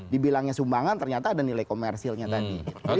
dibilangnya sumbangan ternyata ada nilai komersilnya tadi